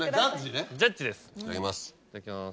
いただきます。